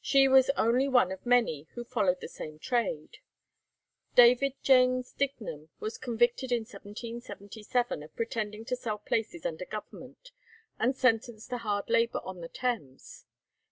She was only one of many who followed the same trade. David James Dignum was convicted in 1777 of pretending to sell places under Government, and sentenced to hard labour on the Thames.